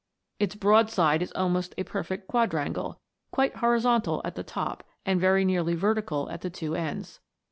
Its broadside is almost a perfect quadrangle, quite horizontal at the top, and very nearly vertical at the two ends.